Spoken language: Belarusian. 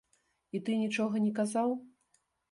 І ты нічога не казаў?